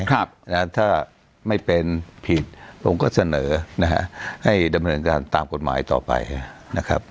ถ้าไม่เป็นผิดผมก็เสนอนะฮะให้ดำเนินการตามกฎหมายต่อไปนะครับ